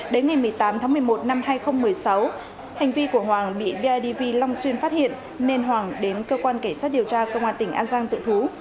đến ngày một mươi tám tháng một mươi một năm hai nghìn một mươi sáu hành vi của hoàng bị bidv long xuyên phát hiện nên hoàng đến cơ quan cảnh sát điều tra công an tỉnh an giang tự thú